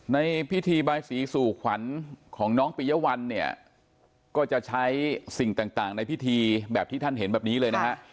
ในพิธีบายสีสู่ขวัญของน้องปียวัลเนี่ยก็จะใช้สิ่งต่างในพิธีแบบที่ท่านเห็นแบบนี้เลยนะฮะ